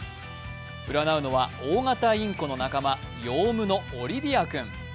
占うのは大型インコの仲間ヨウムのオリビア君。